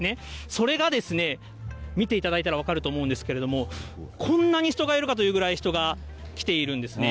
それが見ていただいたら分かると思うんですけれども、こんなに人がいるかというぐらい、人が来ているんですね。